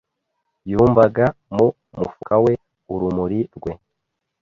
Yumvaga mu mufuka we urumuri rwe.